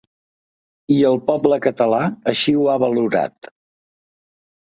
I el poble català així ho ha valorat.